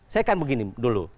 saya kan begini dulu